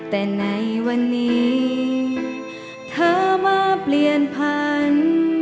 แต่ในวันนี้เธอมาเปลี่ยนพันธุ์